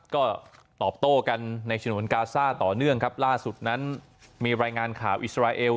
ก็ตอบโต้กันในฉนวนกาซ่าต่อเนื่องครับล่าสุดนั้นมีรายงานข่าวอิสราเอล